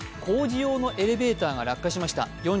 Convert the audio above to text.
工事用のエレベーターが落下しました。